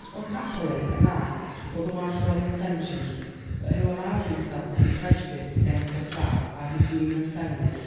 Unhappily, a man, otherwise well intentioned, but who allowed himself to be prejudiced against La Sale by his numerous enemies, M.